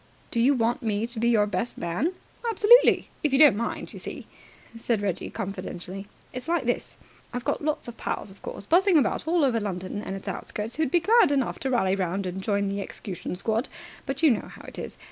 "Do you want me to be your best man?" "Absolutely, if you don't mind. You see," said Reggie confidentially, "it's like this. I've got lots of pals, of course, buzzing about all over London and its outskirts, who'd be glad enough to rally round and join the execution squad; but you know how it is.